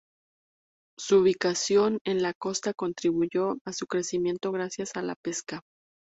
Su ubicación en la costa contribuyó a su crecimiento gracias a la pesca.